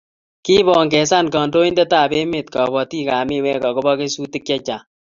Kiipongezan kandoindetab emett kobotikab miwek agobo kesutik che Chang